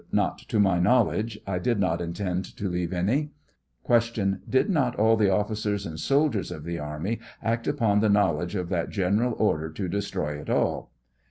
Not to my knowledge j I did not intend to leave any. Q. Did not all the ofScers and soldiers of the army act upon the knowledge of that general order to destroy it all